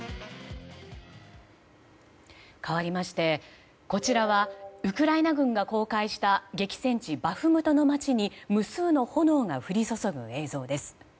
かわりまして、こちらはウクライナ軍が公開した激戦地バフムトの街に無数の炎が降り注ぐ映像です。